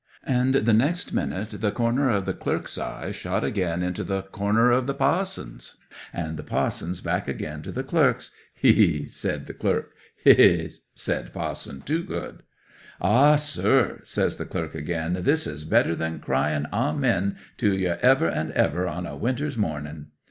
And the next minute the corner of the clerk's eye shot again into the corner of the pa'son's, and the pa'son's back again to the clerk's. "Hee, hee!" said the clerk. '"Ha, ha!" said Pa'son Toogood. '"Ah, sir," says the clerk again, "this is better than crying Amen to your Ever and ever on a winter's morning!"